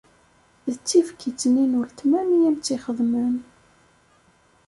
D tibkit-nni n uletma-m i am-tt-ixedmen.